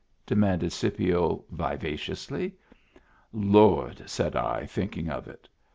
"de manded Scipio, vivaciously. " Lord !" said I, thinking of it.